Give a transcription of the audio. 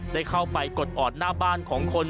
ได้เข้าไปกดออดหน้าบ้านของคน